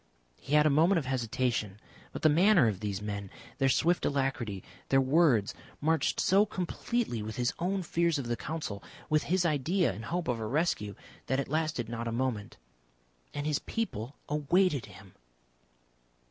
He had a moment of hesitation. But the manner of these men, their swift alacrity, their words, marched so completely with his own fears of the Council, with his idea and hope of a rescue, that it lasted not a moment. And his people awaited him!